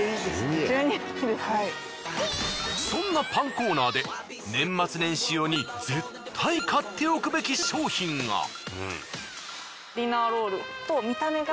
そんなパンコーナーで年末年始用に絶対買っておくべき商品が。